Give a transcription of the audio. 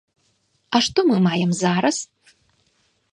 А што мы маем зараз?